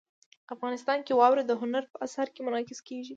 افغانستان کې واوره د هنر په اثار کې منعکس کېږي.